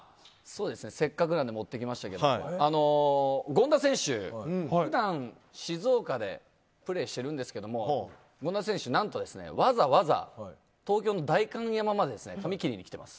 せっかくなので持ってきましたけど権田選手、普段静岡でプレーしてるんですけども権田選手、何とわざわざ東京の代官山まで髪切りに来てます。